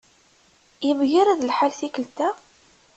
Yemgarad lḥal tikelt-a?